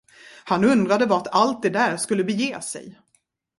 Han undrade vart allt det där skulle bege sig.